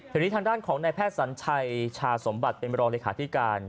ทีนี้ทางด้านของนายแพทย์สัญชัยชาสมบัติเป็นรองเลขาธิการ